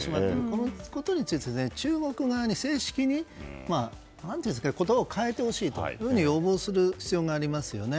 このことについて中国側に正式に言葉を変えてほしいと要望する必要がありますよね。